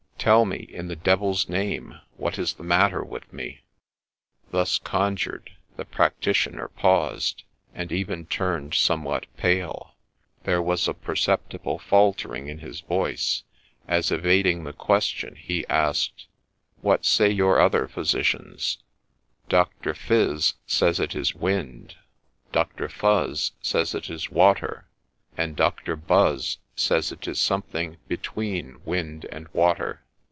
Tell me in the devil's name, what is the matter with me !' Thus conjured, the practitioner paused, and even turned somewhat pale. There was a perceptible faltering in his voice, as evading the question, he asked, ' What say your other phy sicians ?'' Doctor Phiz says it is wind, — Doctor Fuz says it is water, — and Doctor Buz says it is something between wind and water.'